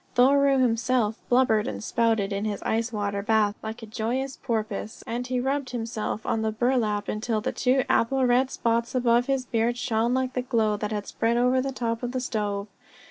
Thoreau himself blubbered and spouted in his ice water bath like a joyous porpoise, and he rubbed himself on the burlap until the two apple red spots above his beard shone like the glow that had spread over the top of the stove.